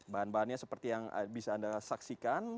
bahan bahannya seperti yang bisa anda saksikan